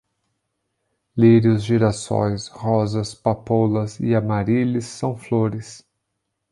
Lírios, girassóis, rosas, papoulas e Amarílis são flores